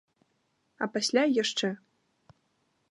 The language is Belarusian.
А пасля і яшчэ.